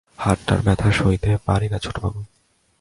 হাতটার ব্যথা সইতে পারি না ছোটবাবু।